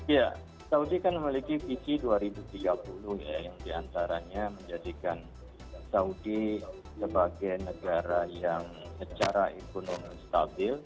ya saudi kan memiliki visi dua ribu tiga puluh ya yang diantaranya menjadikan saudi sebagai negara yang secara ekonomi stabil